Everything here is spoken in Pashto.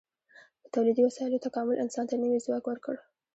د تولیدي وسایلو تکامل انسان ته نوی ځواک ورکړ.